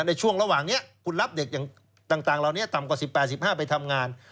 ในช่วงระหว่างนี้คุณรับเด็กอย่างต่างเหล่านี้ต่ำกว่า๑๘๑๕ไปทำงาน